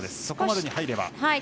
そこまでに入れば。